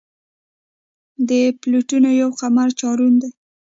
د پلوټو یو قمر چارون دی.